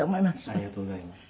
ありがとうございます。